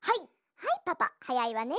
はいパパはやいわね。